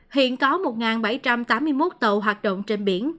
hiện có một bảy trăm tám mươi một tàu hoạt động trên biển